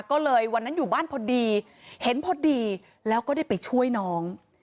ก็เลยวันนั้นอยู่บ้านพอดีเห็นพอดีแล้วก็ได้ไปช่วยน้อง